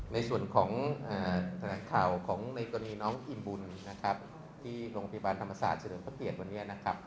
ทางแรงข่าวของนายกรณีน้องอิ่มบุญที่โรงพยาบาลธรรมศาสตร์เฉยวันนี้